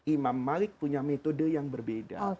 imam malik punya metode yang berbeda